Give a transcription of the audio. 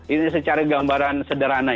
ini secara gambaran sederhana